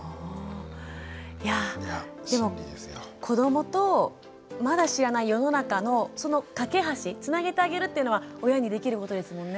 いやぁでも子どもとまだ知らない世の中のその懸け橋つなげてあげるっていうのは親にできることですもんね。